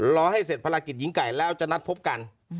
รอให้เสร็จภารกิจหญิงไก่แล้วจะนัดพบกัน